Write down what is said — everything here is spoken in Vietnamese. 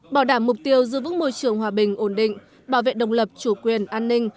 bảo đảm mục tiêu giữ vững môi trường hòa bình ổn định bảo vệ đồng lập chủ quyền an ninh